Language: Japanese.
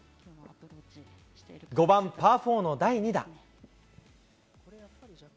５番パー４の第２打。